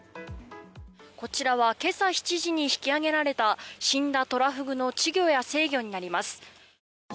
こちらは今朝７時に引き揚げられた死んだトラフグの稚魚や成魚になります。